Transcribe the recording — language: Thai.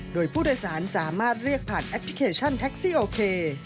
โดยผู้โดยสารสามารถเรียกผ่านแอปพลิเคชันแท็กซี่โอเค